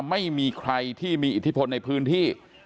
ไม่มีใครที่มีอิทธิพลในพื้นที่